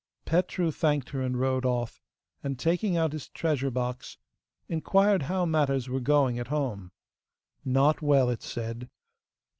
Petru thanked her and rode off, and, taking out his treasure box, inquired how matters were going at home. Not well, it said.